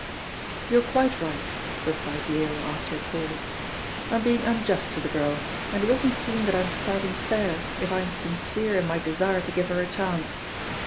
"You're quite right," replied Yale after a pause. "I'm being unjust to the girl, and it doesn't seem that I'm starting fair if I am sincere in my desire to give her a chance.